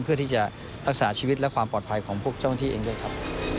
เพื่อที่จะรักษาชีวิตและความปลอดภัยของพวกเจ้าหน้าที่เองด้วยครับ